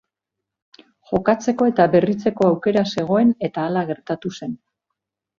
Jokatzeko eta berritzeko aukera zegoen eta hala gertatu zen.